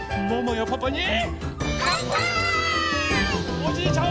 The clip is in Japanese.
おじいちゃん